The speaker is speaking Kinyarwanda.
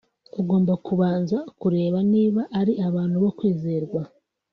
ugomba kubanza kureba niba ari abantu bo kwizerwa